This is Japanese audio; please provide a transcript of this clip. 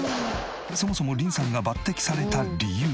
そもそもリンさんが抜てきされた理由が。